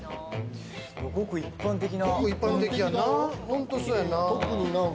ごく一般的な。